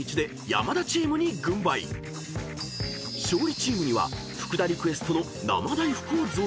［勝利チームには福田リクエストの生大福を贈呈］